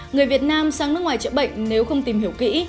người việt nam sang nước ngoài chữa bệnh nếu không tìm hiểu kỹ